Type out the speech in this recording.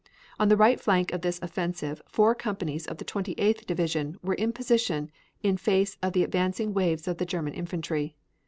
On the right flank of this offensive four companies of the Twenty eighth Division were in position in face of the advancing waves of the German infantry.